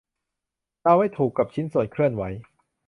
เราไม่ถูกกับชิ้นส่วนเคลื่อนไหว